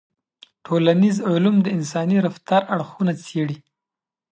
ټولنيز علوم د انساني رفتار اړخونه څېړي.